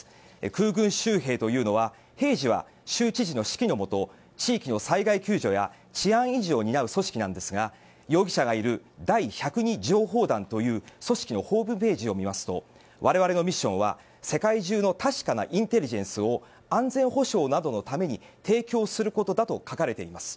空軍州兵というのは平時は州知事の指揮のもと地域の災害救助や治安維持を担う組織なんですが容疑者がいる第１０２情報団という組織のホームページを見ますと我々のミッションは、世界中の確かなインテリジェンスを安全保障などのために提供することだと書かれています。